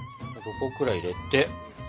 ５個くらい入れて。